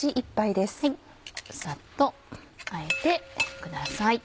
さっとあえてください。